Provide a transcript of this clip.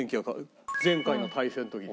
前回の対戦の時に。